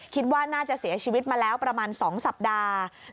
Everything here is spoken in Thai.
คิดว่าน่าจะเสียชีวิตมาแล้วประมาณ๒สัปดาห์